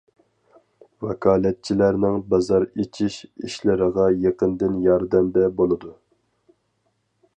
ۋاكالەتچىلەرنىڭ بازار ئېچىش ئىشلىرىغا يېقىندىن ياردەمدە بولىدۇ.